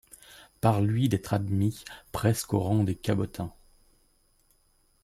Par lui d'être admis presque au rang des cabotins